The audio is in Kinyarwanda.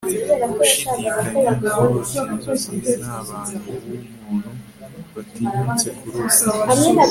gushidikanya, kurota inzozi nta bantu buntu batinyutse kurota mbere